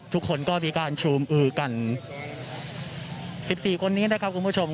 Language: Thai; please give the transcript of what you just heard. ทุกคนก็มีการชูมอือกัน๑๔คนนี้นะครับคุณผู้ชม